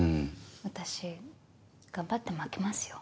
私頑張って負けますよ。